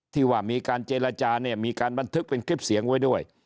ที่ว่ามีการเจรจาเนี่ยมีการบันทึกเป็นคลิปเสียงไว้ด้วย